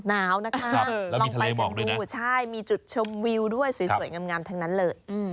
หนาวนะคะลองไปกันดูใช่มีจุดชมวิวด้วยสวยงามทั้งนั้นเลย